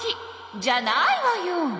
じゃないわよ！